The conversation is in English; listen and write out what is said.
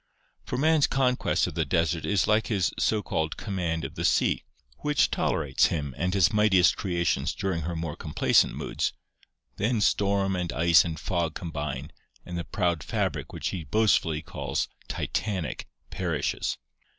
For man's conquest of the desert is like his so called command of the sea — which tolerates him and his mightiest creations during her more complacent moods, then storm and ice and fog combine and the proud fabric which he boastfully calls Titanic perishes.